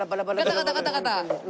ガタガタガタガタ。